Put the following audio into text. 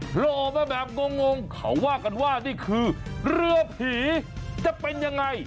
โผล่ออกมาแบบงงเขาว่ากันว่านี่คือเรือผีจะเป็นยังไง